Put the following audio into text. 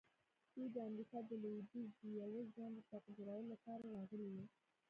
دوی د امريکا د لويديځ د يوه ځوان د تقديرولو لپاره راغلي وو.